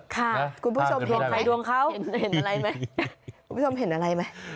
คุณผู้ชมเห็นอะไรไหม